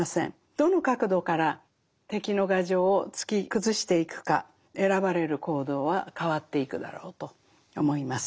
どの角度から敵の牙城を突き崩していくか選ばれる行動は変わっていくだろうと思います。